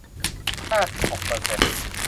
ห้าสิบหกเปอร์เซนต์